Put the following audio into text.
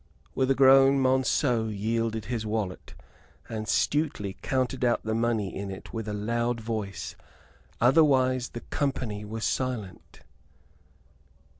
With a groan Monceux yielded his wallet, and Stuteley counted out the money in it with a loud voice; otherwise the company was silent.